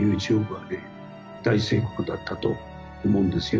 だったと思うんですよ